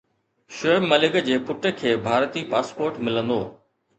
شعيب ملڪ جي پٽ کي ڀارتي پاسپورٽ ملندو